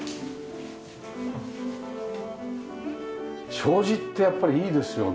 障子ってやっぱりいいですよね。